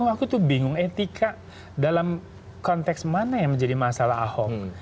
aku tuh bingung etika dalam konteks mana yang menjadi masalah ahok